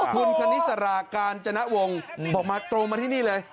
คุณคณิสรากาญจนวงบอกมาตรงมาที่นี่เลย